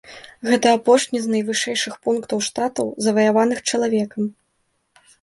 Гэта апошні з найвышэйшых пунктаў штатаў, заваяваных чалавекам.